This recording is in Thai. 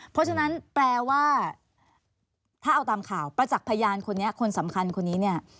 เพราะฉะนั้นแปลว่าถ้าเอาตามข่าวประจักษ์พยานคนนี้คนสำคัญคนนี้เนี่ย